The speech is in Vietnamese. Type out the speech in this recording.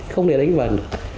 không thể đánh vần được